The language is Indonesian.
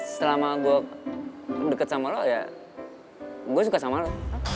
selama gue deket sama lo ya gue suka sama lo